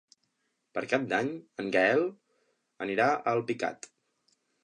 Per Cap d'Any en Gaël anirà a Alpicat.